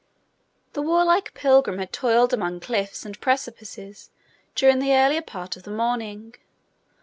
The warlike pilgrim had toiled among cliffs and precipices during the earlier part of the morning.